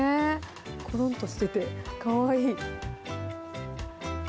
ころんとしてて、かわいい。